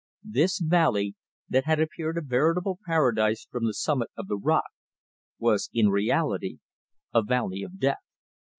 This valley, that had appeared a veritable paradise from the summit of the rock, was in reality a Valley of Death.